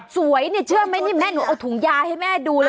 สวยเนี่ยเชื่อไหมนี่แม่หนูเอาถุงยาให้แม่ดูเลย